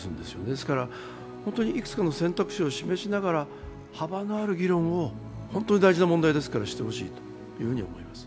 ですからいくつかの選択肢を示しながら幅のある議論を、本当に大事な問題ですから、してほしいと思います。